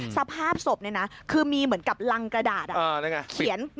สภาพสบคือมีเหมือนกับรังกระดาษ